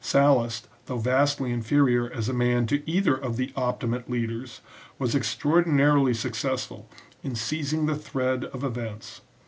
Sallust, though vastly inferior as a man to either of the optimate leaders, was extraordinarily successful in seizing the thread of events.